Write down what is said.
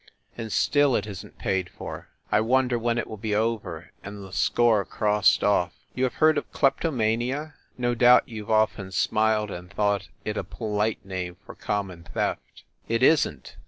And still it isn t paid for. I wonder when it will be over and the score crossed off! You have heard of kleptomania? No doubt you ve often smiled and thought it a polite name for common theft. It isn t